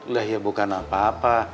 lah ya bukan apa apa